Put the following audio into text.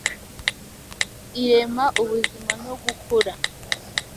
irema ubuzima no gukura